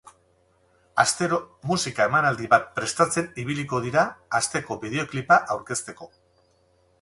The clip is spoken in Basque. Astero musika emanaldi bat prestatzen ibiliko dira, asteko bideoklipa aurkezteko.